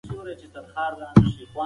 جینت ویلي چې پانګه راټولوي.